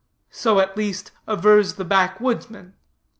So, at least, avers the backwoodsman.